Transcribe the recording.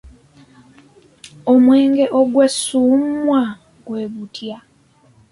Omwenge ogwessuumwa gwe tutya?